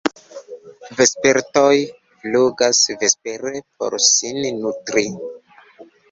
Vespertoj flugas vespere por sin nutri.